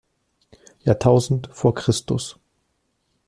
Jahrtausend vor Christus.